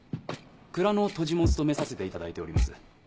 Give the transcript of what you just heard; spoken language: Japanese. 蔵の杜氏も務めさせていただいております。